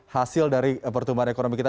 hasil dari pertumbuhan ekonomi kita